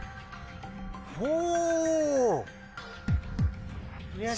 ほう！